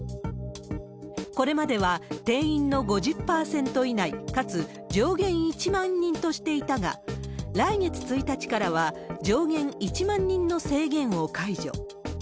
これまでは定員の５０％以内、かつ上限１万人としていたが、来月１日からは、上限１万人の制限を解除。